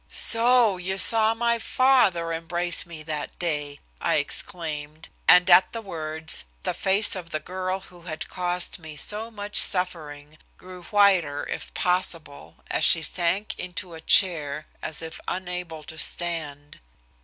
"So you saw my father embrace me that day!" I exclaimed, and at the words the face of the girl who had caused me so much suffering grew whiter, if possible, and she sank into a chair, as if unable to stand.